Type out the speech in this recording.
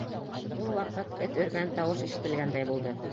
Шул ваҡыт эт өргән тауыш ишетелгәндәй булды.